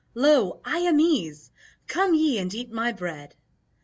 Lo: I am Ease. Come ye and eat my bread!"